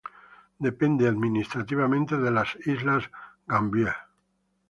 Depende administrativamente de las islas Gambier.